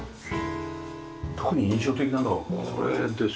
特に印象的なのはこれですよね。